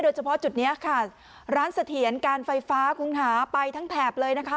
เฉพาะจุดนี้ค่ะร้านเสถียรการไฟฟ้าคุณค่ะไปทั้งแถบเลยนะคะ